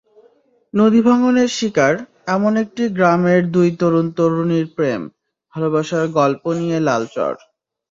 নদীভাঙনের শিকার—এমন একটি গ্রামের দুই তরুণ-তরুণীর প্রেম, ভালোবাসার গল্প নিয়ে লাল চর।